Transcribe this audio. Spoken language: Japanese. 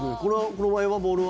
この場合はボールは？